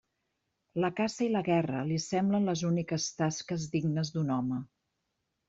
La caça i la guerra li semblen les úniques tasques dignes d'un home.